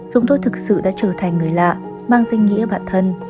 thật sự đã trở thành người lạ mang danh nghĩa bản thân